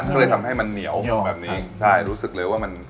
สู้น้ำได้จากใครละค่ะ